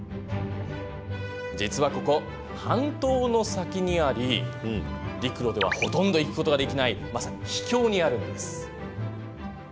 実はここ、半島の先にあり陸路ではほとんど行くことができないまさに秘境にあるんです。